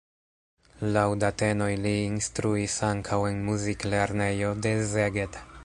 Laŭ datenoj li instruis ankaŭ en muziklernejo de Szeged.